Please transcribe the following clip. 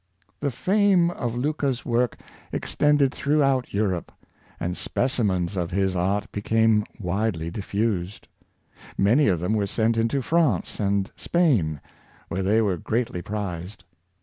The fame of Luca's work extended throughout Eu rope, and specimens of his art became widely diffused. Many of them were sent into France and Spain, where they were greatly prized.